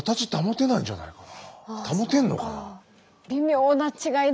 保てんのかな？